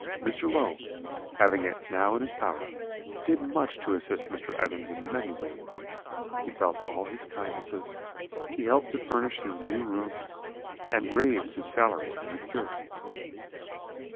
Mr. Low, having it now in his power, did much to assist Mr. Evans in many ways; he felt all his kindnesses; he helped to furnish his new rooms, and raised his salary as a curate.